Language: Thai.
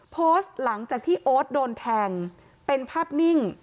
โพสต์หลังจากที่โอ๊ตโดนแทงเป็นภาพนิ่ง